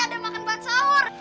jadi ada makan bahan sahur